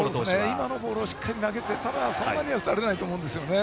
今のボールをしっかり投げていたらそんなには打たれないと思うんです。